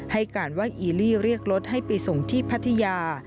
ให้การว่าอีลี่เรียกรถให้ไปส่งที่พัทยา